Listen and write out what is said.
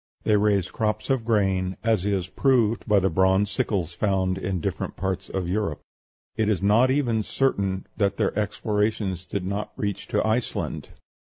They raised crops of grain, as is proved by the bronze sickles found in different parts of Europe. It is not even certain that their explorations did not reach to Iceland.